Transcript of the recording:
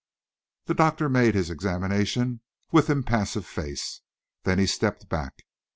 The doctor made his examination with impassive face. Then he stepped back.